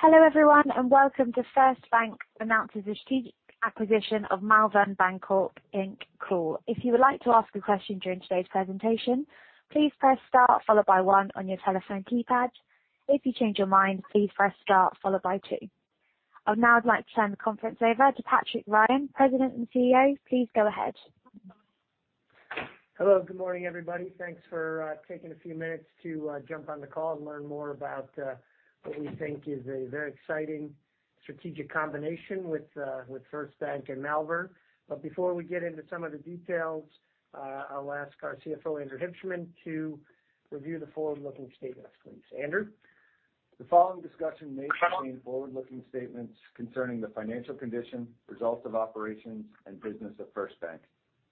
Hello, everyone, welcome to First Bank announces the strategic acquisition of Malvern Bancorp, Inc. Call. If you would like to ask a question during today's presentation, please press star followed by one on your telephone keypad. If you change your mind, please press star followed by two. I'd like to turn the conference over to Patrick Ryan, President and CEO. Please go ahead. Hello. Good morning, everybody. Thanks for taking a few minutes to jump on the call and learn more about what we think is a very exciting strategic combination with First Bank and Malvern. Before we get into some of the details, I'll ask our CFO, Andrew Hibshman, to review the forward-looking statements, please. Andrew? The following discussion may contain forward-looking statements concerning the financial condition, results of operations, and business of First Bank.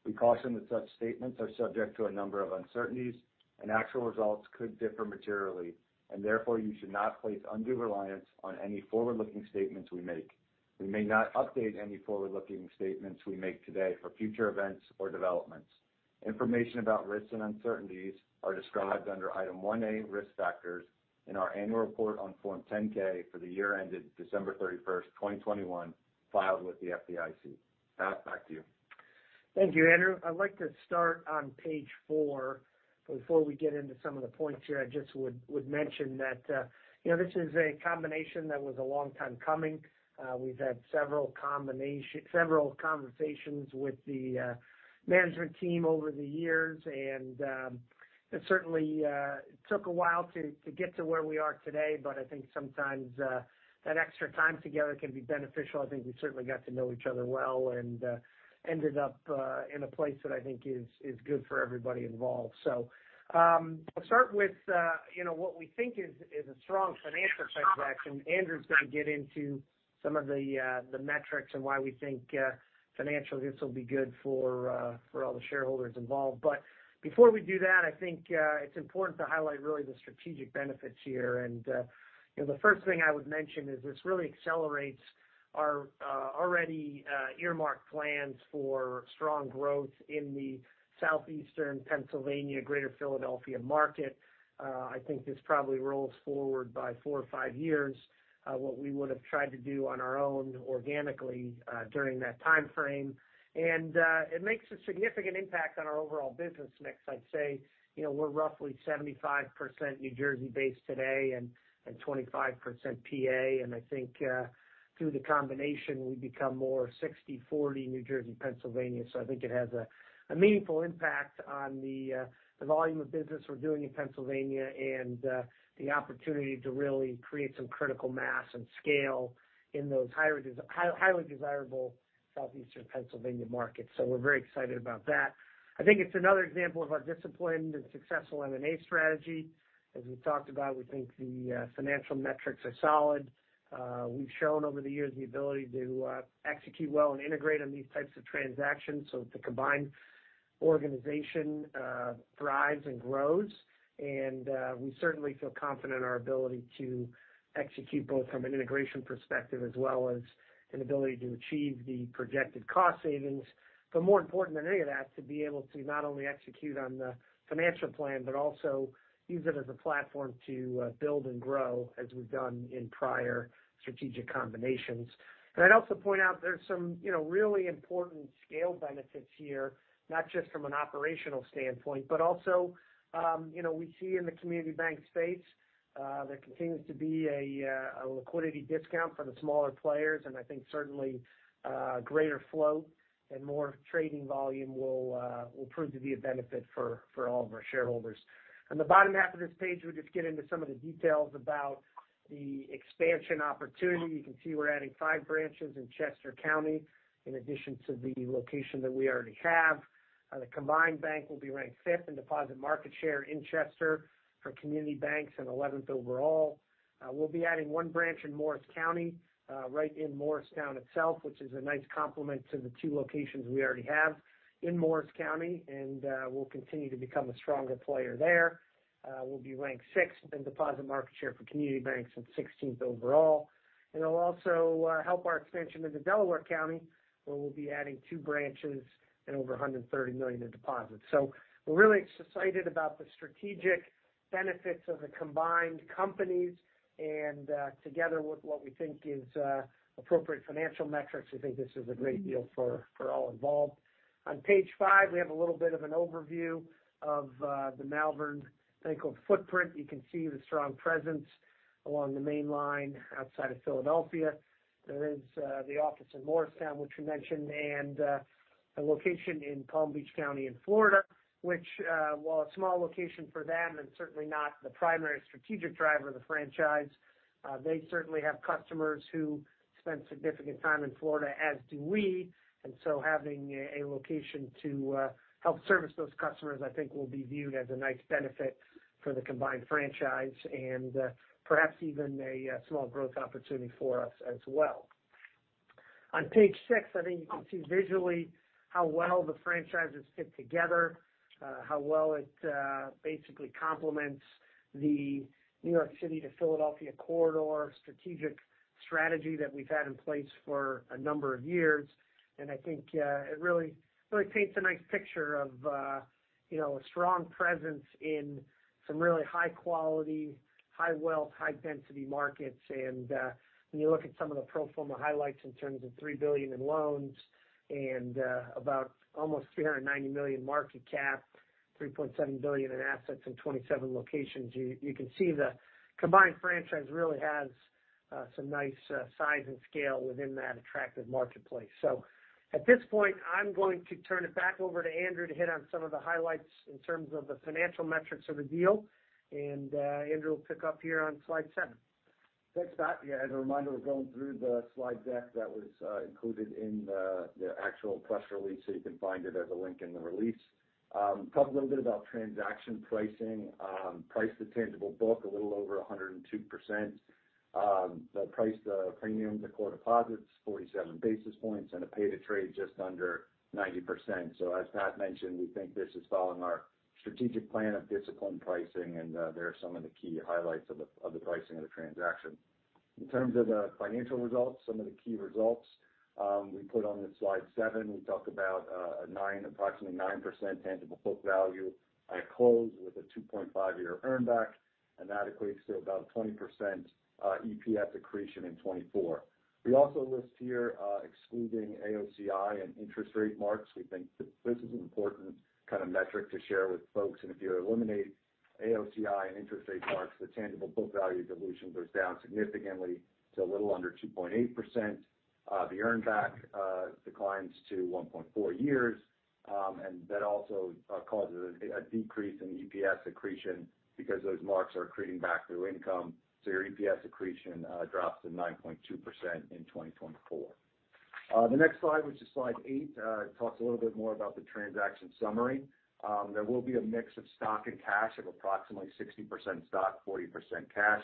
We caution that such statements are subject to a number of uncertainties, and actual results could differ materially, and therefore you should not place undue reliance on any forward-looking statements we make. We may not update any forward-looking statements we make today for future events or developments. Information about risks and uncertainties are described under Item 1A, risk factors, in our annual report on Form 10-K for the year ended December 31st, 2021, filed with the FDIC. Pat, back to you. Thank you, Andrew. I'd like to start on page four. Before we get into some of the points here, I just would mention that, you know, this is a combination that was a long time coming. We've had several conversations with the management team over the years. It certainly took a while to get to where we are today, but I think sometimes that extra time together can be beneficial. I think we certainly got to know each other well and ended up in a place that I think is good for everybody involved. I'll start with, you know, what we think is a strong financial transaction. Andrew's gonna get into some of the metrics and why we think financially this will be good for all the shareholders involved. Before we do that, I think it's important to highlight really the strategic benefits here. You know, the first thing I would mention is this really accelerates our already earmarked plans for strong growth in the Southeastern Pennsylvania greater Philadelphia market. I think this probably rolls forward by four or five years, what we would have tried to do on our own organically during that timeframe. It makes a significant impact on our overall business mix. I'd say, you know, we're roughly 75% New Jersey based today and 25% PA. I think through the combination, we become more 60/40 New Jersey/Pennsylvania. I think it has a meaningful impact on the volume of business we're doing in Pennsylvania and the opportunity to really create some critical mass and scale in those high-highly desirable Southeastern Pennsylvania markets. We're very excited about that. I think it's another example of our disciplined and successful M&A strategy. As we talked about, we think the financial metrics are solid. We've shown over the years the ability to execute well and integrate on these types of transactions so the combined organization thrives and grows. We certainly feel confident in our ability to execute both from an integration perspective as well as an ability to achieve the projected cost savings. More important than any of that, to be able to not only execute on the financial plan, but also use it as a platform to build and grow as we've done in prior strategic combinations. I'd also point out there's some, you know, really important scale benefits here, not just from an operational standpoint, but also, you know, we see in the community bank space, there continues to be a liquidity discount for the smaller players, and I think certainly greater flow and more trading volume will prove to be a benefit for all of our shareholders. On the bottom half of this page, we just get into some of the details about the expansion opportunity. You can see we're adding five branches in Chester County in addition to the location that we already have. The combined bank will be ranked fifth in deposit market share in Chester for community banks and 11th overall. We'll be adding one branch in Morris County, right in Morristown itself, which is a nice complement to the two locations we already have in Morris County, and we'll continue to become a stronger player there. We'll be ranked sixth in deposit market share for community banks and 16th overall. It'll also help our expansion into Delaware County, where we'll be adding two branches and over $130 million in deposits. We're really excited about the strategic benefits of the combined companies together with what we think is appropriate financial metrics. We think this is a great deal for all involved. On page five, we have a little bit of an overview of the Malvern Bancorp footprint. You can see the strong presence along the main line outside of Philadelphia. There is the office in Morristown, which we mentioned, and a location in Palm Beach County in Florida, which, while a small location for them and certainly not the primary strategic driver of the franchise, they certainly have customers who spend significant time in Florida, as do we. Having a location to help service those customers, I think, will be viewed as a nice benefit for the combined franchise and perhaps even a small growth opportunity for us as well. On page six, I think you can see visually how well the franchises fit together, how well it basically complements the New York City to Philadelphia corridor strategic strategy that we've had in place for a number of years. I think, it really paints a nice picture of, you know, a strong presence in some really high quality, high wealth, high density markets. When you look at some of the pro forma highlights in terms of $3 billion in loans. About almost $390 million market cap, $3.7 billion in assets in 27 locations. You can see the combined franchise really has some nice size and scale within that attractive marketplace. At this point, I'm going to turn it back over to Andrew to hit on some of the highlights in terms of the financial metrics of the deal. Andrew will pick up here on slide seven. Thanks, Pat. Yeah, as a reminder, we're going through the slide deck that was included in the actual press release, you can find it as a link in the release. Talk a little bit about transaction pricing. Price to tangible book, a little over 102%. The price, the premium to core deposits, 47 basis points, and a pay to trade just under 90%. As Pat mentioned, we think this is following our strategic plan of disciplined pricing, and there are some of the key highlights of the pricing of the transaction. In terms of the financial results, some of the key results, we put on the slide seven. We talked about approximately 9% tangible book value at close with a 2.5-year earn back, and that equates to about 20% EPS accretion in 2024. We also list here, excluding AOCI and interest rate marks. We think this is an important kind of metric to share with folks, and if you eliminate AOCI and interest rate marks, the tangible book value dilution goes down significantly to a little under 2.8%. The earn back declines to 1.4 years, and that also causes a decrease in the EPS accretion because those marks are accreting back through income. Your EPS accretion drops to 9.2% in 2024. The next slide, which is slide eight, talks a little bit more about the transaction summary. There will be a mix of stock and cash of approximately 60% stock, 40% cash.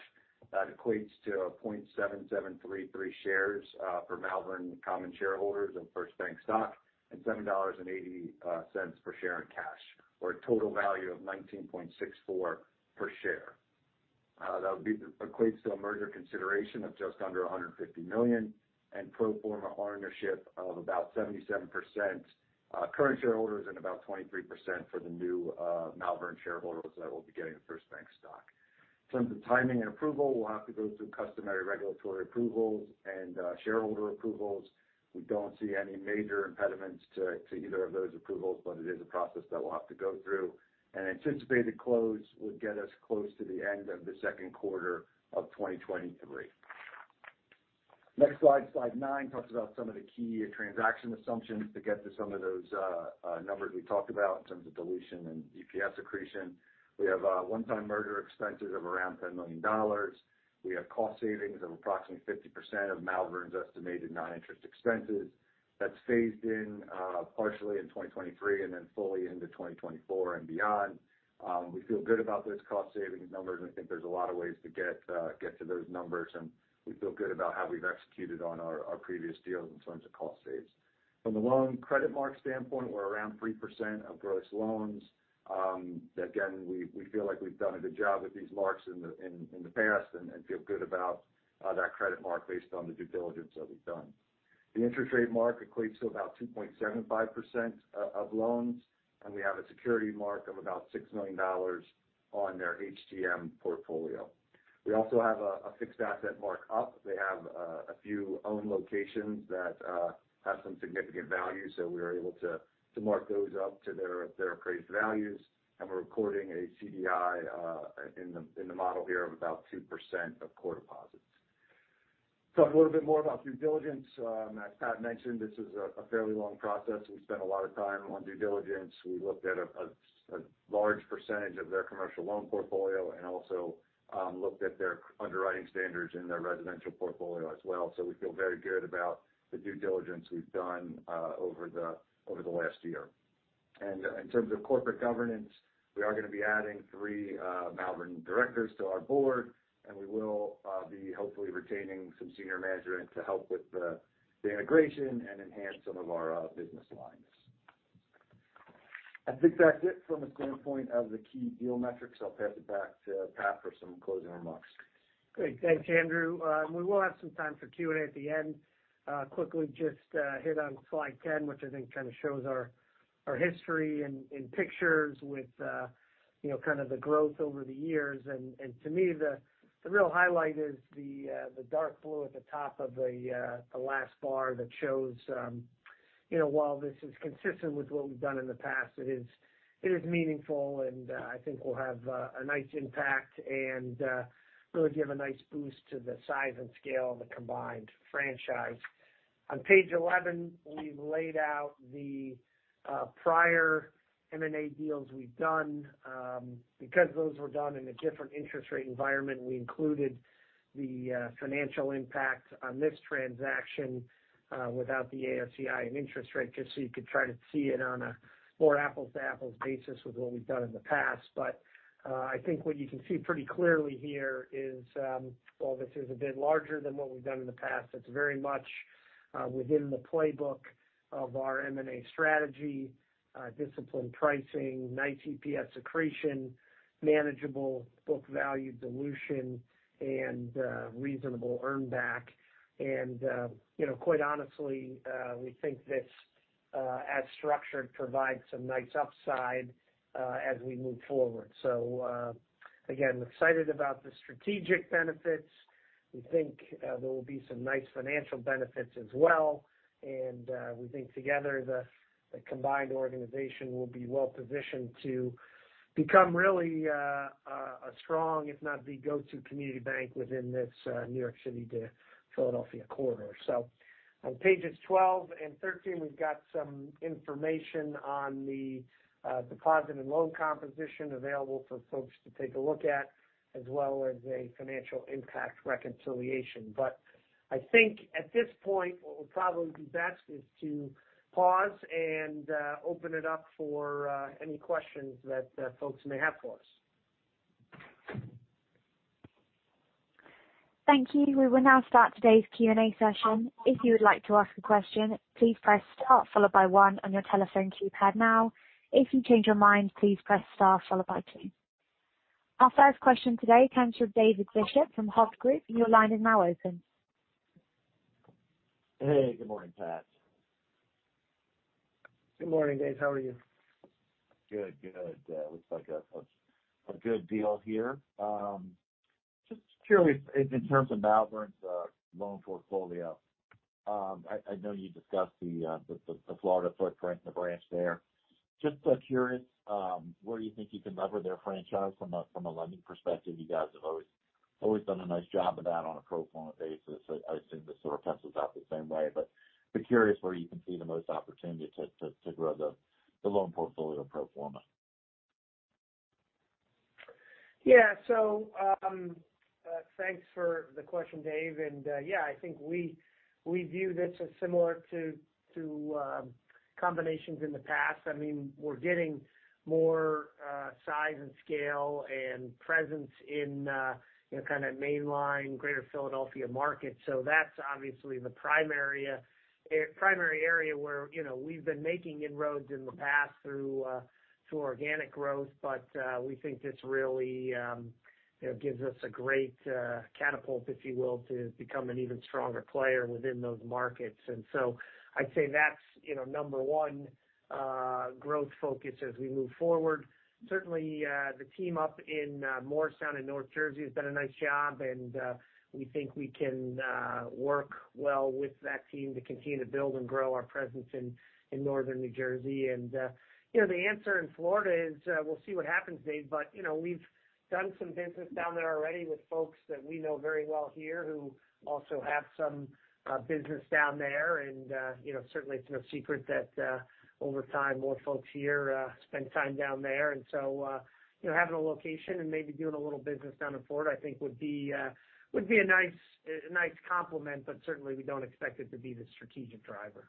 That equates to a 0.7733 shares for Malvern common shareholders of First Bank stock and $7.80 per share in cash or a total value of $19.64 per share. That equates to a merger consideration of just under $150 million and pro forma ownership of about 77% current shareholders and about 23% for the new Malvern shareholders that will be getting First Bank stock. In terms of timing and approval, we'll have to go through customary regulatory approvals and shareholder approvals. We don't see any major impediments to either of those approvals. It is a process that we'll have to go through. An anticipated close would get us close to the end of the second quarter of 2023. Next slide nine, talks about some of the key transaction assumptions to get to some of those numbers we talked about in terms of dilution and EPS accretion. We have one-time merger expenses of around $10 million. We have cost savings of approximately 50% of Malvern's estimated non-interest expenses. That's phased in partially in 2023 and then fully into 2024 and beyond. We feel good about those cost savings numbers, and we think there's a lot of ways to get to those numbers, and we feel good about how we've executed on our previous deals in terms of cost saves. From the loan credit mark standpoint, we're around 3% of gross loans. Again, we feel like we've done a good job with these marks in the past and feel good about that credit mark based on the due diligence that we've done. The interest rate mark equates to about 2.75% of loans. We have a security mark of about $6 million on their HTM portfolio. We also have a fixed asset mark-up. They have a few owned locations that have some significant value, so we are able to mark those up to their appraised values. We're recording a CDI in the model here of about 2% of core deposits. Talk a little bit more about due diligence. As Pat mentioned, this is a fairly long process. We spent a lot of time on due diligence. We looked at a large percentage of their commercial loan portfolio and also looked at their underwriting standards in their residential portfolio as well. We feel very good about the due diligence we've done over the last year. In terms of corporate governance, we are gonna be adding three Malvern directors to our board, and we will be hopefully retaining some senior management to help with the integration and enhance some of our business lines. I think that's it from a standpoint of the key deal metrics. I'll pass it back to Pat for some closing remarks. Great. Thanks, Andrew. We will have some time for Q&A at the end. Quickly just hit on slide 10, which I think kind of shows our history in pictures with, you know, kind of the growth over the years. To me, the real highlight is the dark blue at the top of the last bar that shows, you know, while this is consistent with what we've done in the past, it is meaningful, and I think we'll have a nice impact and really give a nice boost to the size and scale of the combined franchise. On page 11, we've laid out the prior M&A deals we've done. Because those were done in a different interest rate environment, we included the financial impact on this transaction, without the AOCI and interest rate just so you could try to see it on a more apples-to-apples basis with what we've done in the past. I think what you can see pretty clearly here is, while this is a bit larger than what we've done in the past, it's very much within the playbook of our M&A strategy, disciplined pricing, nice EPS accretion, manageable book value dilution, and reasonable earn back. You know, quite honestly, we think this, as structured, provides some nice upside, as we move forward. Again, excited about the strategic benefits. We think there will be some nice financial benefits as well. We think together the combined organization will be well-positioned to become really a strong, if not the go-to community bank within this New York City to Philadelphia corridor. On pages 12 and 13, we've got some information on the deposit and loan composition available for folks to take a look at as well as a financial impact reconciliation. I think at this point, what will probably be best is to pause and open it up for any questions that folks may have for us. Thank you. We will now start today's Q&A session. If you would like to ask a question, please press star followed by one on your telephone keypad now. If you change your mind, please press star followed by two. Our first question today comes from David Bishop from Hovde Group. Your line is now open. Hey, good morning, Pat. Good morning, David. How are you? Good, good. Looks like a good deal here. Just curious in terms of Malvern's loan portfolio, I know you discussed the Florida footprint and the branch there. Just curious where you think you can lever their franchise from a lending perspective. You guys have always done a nice job of that on a pro forma basis. I assume this sort of pencils out the same way, but been curious where you can see the most opportunity to grow the loan portfolio pro forma. Yeah, thanks for the question, David. Yeah, I think we view this as similar to combinations in the past. I mean, we're getting more size and scale and presence in, you know, kind of mainline Greater Philadelphia market. That's obviously the primary area where, you know, we've been making inroads in the past through organic growth, but we think this really, you know, gives us a great catapult, if you will, to become an even stronger player within those markets. I'd say that's, you know, number one growth focus as we move forward. Certainly, the team up in Morristown and North Jersey has done a nice job, and we think we can work well with that team to continue to build and grow our presence in Northern New Jersey. You know, the answer in Florida is, we'll see what happens, Dave, but, you know, we've done some business down there already with folks that we know very well here who also have some business down there. You know, certainly it's no secret that over time, more folks here spend time down there. So, you know, having a location and maybe doing a little business down in Florida, I think would be, would be a nice, a nice complement, but certainly we don't expect it to be the strategic driver.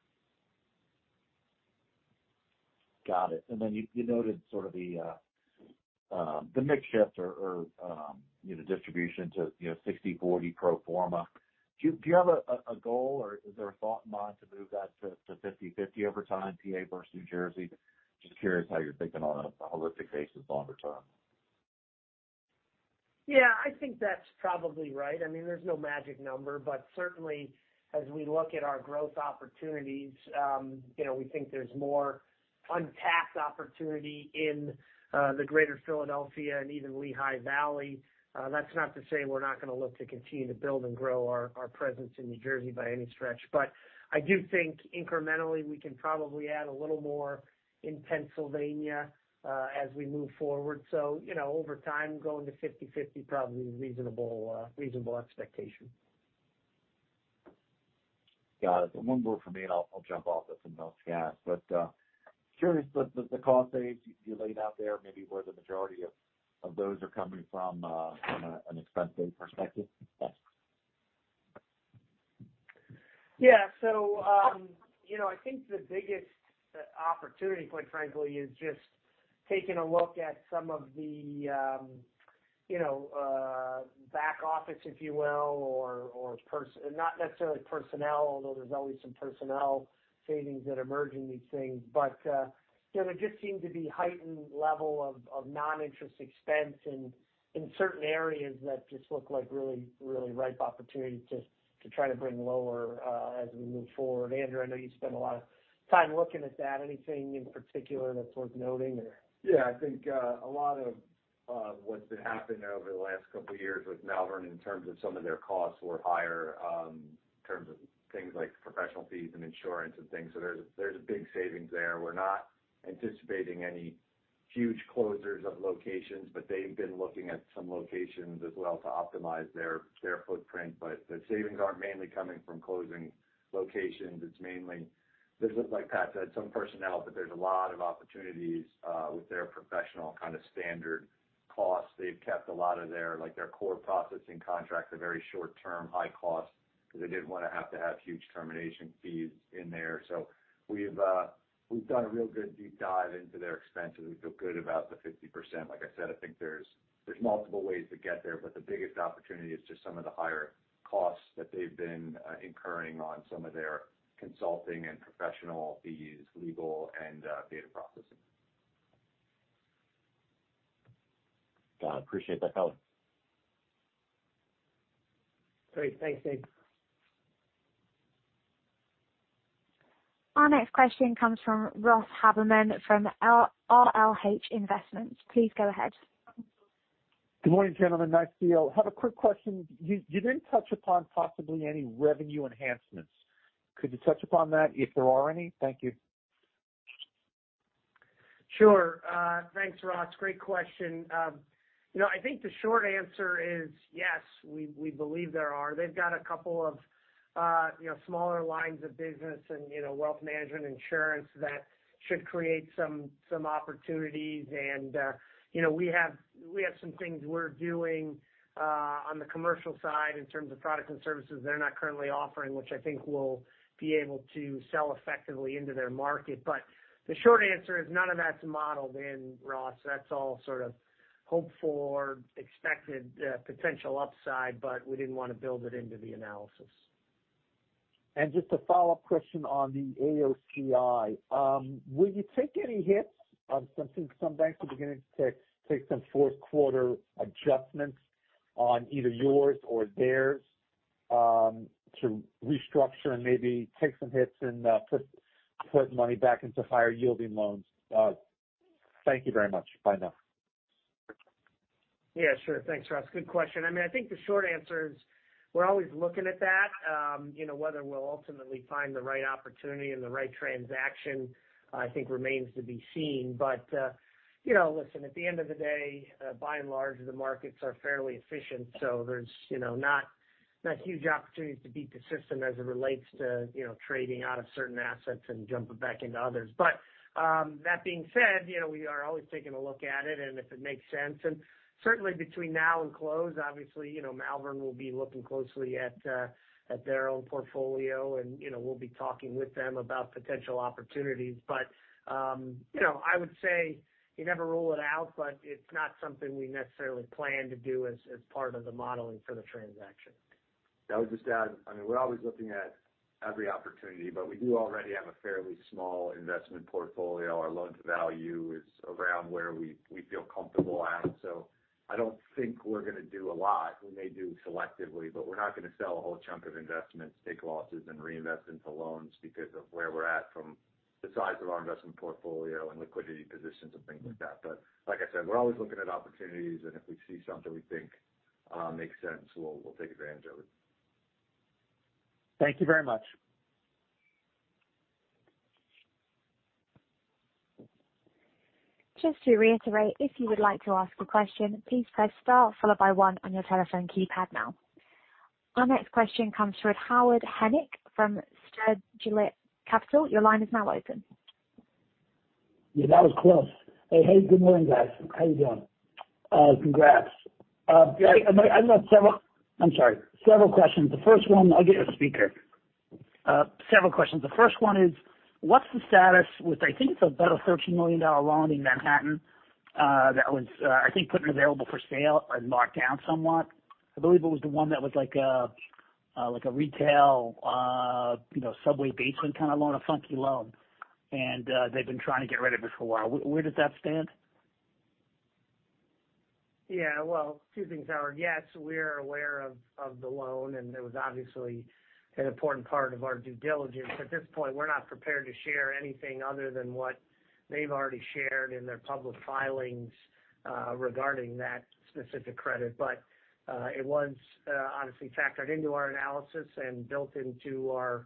Got it. You noted sort of the mix shift or, you know, distribution to, you know, 60/40 pro forma. Do you have a goal or is there a thought in mind to move that to 50/50 over time, PA versus New Jersey? Just curious how you're thinking on a holistic basis longer term. I think that's probably right. I mean, there's no magic number, but certainly as we look at our growth opportunities, you know, we think there's more untapped opportunity in the Greater Philadelphia and even Lehigh Valley. That's not to say we're not gonna look to continue to build and grow our presence in New Jersey by any stretch. I do think incrementally we can probably add a little more in Pennsylvania as we move forward. You know, over time, going to 50/50 probably is a reasonable expectation. Got it. One more from me, and I'll jump off if someone else can ask. Curious, the cost saves you laid out there, maybe where the majority of those are coming from an expense save perspective? Thanks. Yeah, you know, I think the biggest opportunity, quite frankly, is just taking a look at some of the, you know, back office, if you will, or not necessarily personnel, although there's always some personnel savings that emerge in these things. You know, there just seemed to be heightened level of non-interest expense in certain areas that just look like really, really ripe opportunities to try to bring lower as we move forward. Andrew, I know you spent a lot of time looking at that. Anything in particular that's worth noting or? Yeah. I think, a lot of what's been happening over the last couple of years with Malvern in terms of some of their costs were higher, in terms of things like professional fees and insurance and things. There's big savings there. We're not anticipating any huge closures of locations, but they've been looking at some locations as well to optimize their footprint. The savings aren't mainly coming from closing locations. It's mainly, just like Pat said, some personnel, but there's a lot of opportunities with their professional kind of standard costs. They've kept a lot of their, like, their core processing contracts are very short term, high cost because they didn't want to have to have huge termination fees in there. We've done a real good deep dive into their expenses. We feel good about the 50%. Like I said, I think there's multiple ways to get there, but the biggest opportunity is just some of the higher costs that they've been incurring on some of their consulting and professional fees, legal and data processing. Got it. Appreciate that, fellas. Great. Thanks, David. Our next question comes from Ross Haberman from RLH Investments. Please go ahead. Good morning, gentlemen. Nice deal. Have a quick question. You didn't touch upon possibly any revenue enhancements. Could you touch upon that if there are any? Thank you. Sure. Thanks, Ross. Great question. You know, I think the short answer is yes, we believe there are. They've got a couple of, you know, smaller lines of business and, you know, wealth management insurance that should create some opportunities. You know, we have, we have some things we're doing, on the commercial side in terms of products and services they're not currently offering, which I think will be able to sell effectively into their market. The short answer is none of that's modeled in, Ross. That's all sort of hoped for, expected, potential upside, but we didn't wanna build it into the analysis. Just a follow-up question on the AOCI. Will you take any hits of something some banks are beginning to take some fourth quarter adjustments on either yours or theirs to restructure and maybe take some hits and put money back into higher yielding loans? Thank you very much. Bye now. Yeah, sure. Thanks, Ross. Good question. I mean, I think the short answer is we're always looking at that. you know, whether we'll ultimately find the right opportunity and the right transaction, I think remains to be seen. you know, listen, at the end of the day, by and large, the markets are fairly efficient, so there's, you know, not huge opportunities to beat the system as it relates to, you know, trading out of certain assets and jumping back into others. that being said, you know, we are always taking a look at it and if it makes sense. Certainly between now and close, obviously, you know, Malvern will be looking closely at their own portfolio and, you know, we'll be talking with them about potential opportunities. you know, I would say you never rule it out, but it's not something we necessarily plan to do as part of the modeling for the transaction. I would just add, I mean, we're always looking at every opportunity. We do already have a fairly small investment portfolio. Our loans value is around where we feel comfortable at. I don't think we're gonna do a lot. We may do selectively, but we're not gonna sell a whole chunk of investments, take losses and reinvest into loans because of where we're at from the size of our investment portfolio and liquidity positions and things like that. Like I said, we're always looking at opportunities and if we see something we think makes sense, we'll take advantage of it. Thank you very much. Just to reiterate, if you would like to ask a question, please press star followed by one on your telephone keypad now. Our next question comes from Howard Henick from ScurlyDog Capital. Your line is now open. Yeah, that was close. Hey, good morning, guys. How you doing? Congrats. I've got several. I'm sorry. Several questions. The first one. I'll get a speaker. Several questions. The first one is, what's the status with, I think, it's about a $13 million loan in Manhattan that was, I think, put available for sale and marked down somewhat. I believe it was the one that was like a, like a retail, you know, subway basement kinda loan, a funky loan. They've been trying to get rid of it for a while. Where does that stand? Yeah. Well, two things, Howard. Yes, we are aware of the loan. It was obviously an important part of our due diligence. At this point, we're not prepared to share anything other than what they've already shared in their public filings regarding that specific credit. It was honestly factored into our analysis and built into our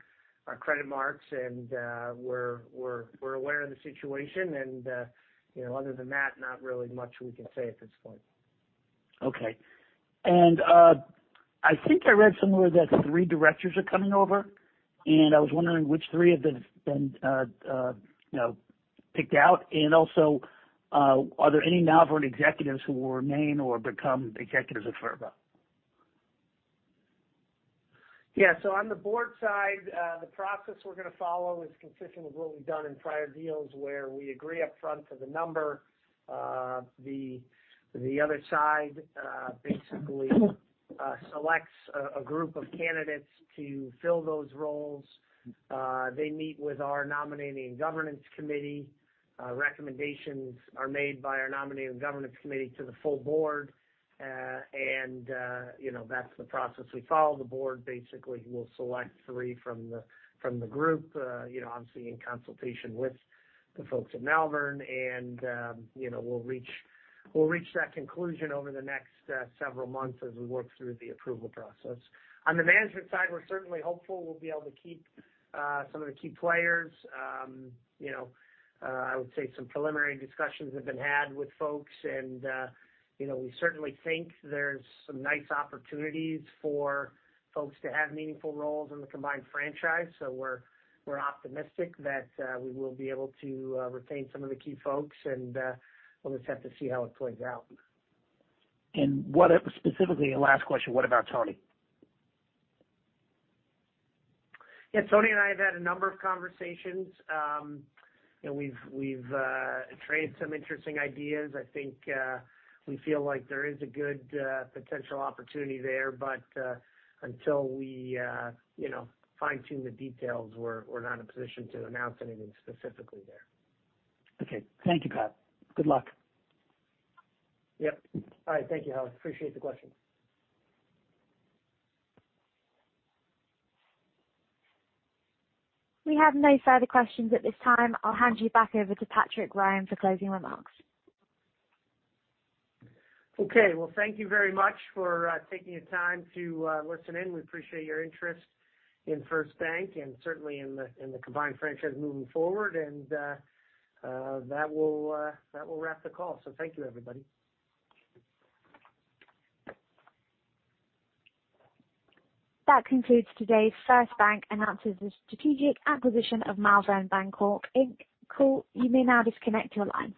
credit marks and we're aware of the situation and, you know, other than that, not really much we can say at this point. Okay. I think I read somewhere that three directors are coming over, and I was wondering which three have been, you know, picked out. Are there any Malvern executives who will remain or become executives of FRBA? On the board side, the process we're gonna follow is consistent with what we've done in prior deals where we agree upfront to the number. The other side, basically, selects a group of candidates to fill those roles. They meet with our nominating governance committee. Recommendations are made by our nominating governance committee to the full board. And, you know, that's the process we follow. The board basically will select three from the group, you know, obviously in consultation with the folks at Malvern. You know, we'll reach that conclusion over the next several months as we work through the approval process. On the management side, we're certainly hopeful we'll be able to keep some of the key players. You know, I would say some preliminary discussions have been had with folks and, you know, we certainly think there's some nice opportunities for folks to have meaningful roles in the combined franchise. We're, we're optimistic that we will be able to retain some of the key folks, and we'll just have to see how it plays out. Specifically last question, what about Tony? Yeah. Tony and I have had a number of conversations. We've traded some interesting ideas. I think we feel like there is a good potential opportunity there. Until we, you know, fine-tune the details, we're not in a position to announce anything specifically there. Okay. Thank you, Pat. Good luck. Yep. All right. Thank you, Howard. Appreciate the question. We have no further questions at this time. I'll hand you back over to Patrick Ryan for closing remarks. Okay. Well, thank you very much for taking the time to listen in. We appreciate your interest in First Bank and certainly in the, in the combined franchise moving forward. That will wrap the call. Thank you, everybody. That concludes today's First Bank announces the strategic acquisition of Malvern Bancorp, Inc. Call. You may now disconnect your line.